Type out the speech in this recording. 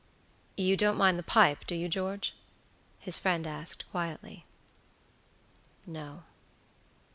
"You don't mind the pipe, do you, George?" his friend asked, quietly. "No."